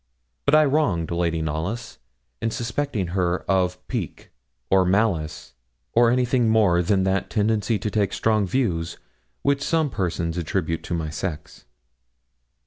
But I wronged Lady Knollys in suspecting her of pique, or malice, or anything more than that tendency to take strong views which some persons attribute to my sex.